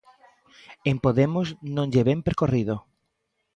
En Podemos non lle ven percorrido.